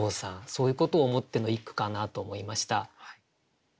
そういうことを思っての一句かなと思いました。